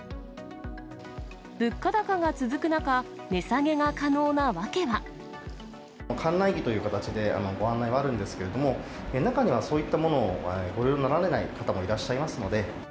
物価高が続く中、値下げが可能な館内着という形でご案内はあるんですけれども、中にはそういったものをご利用になられない方もいらっしゃいます